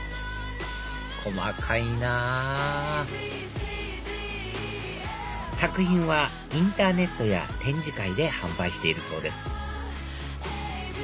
細かいなぁ作品はインターネットや展示会で販売しているそうです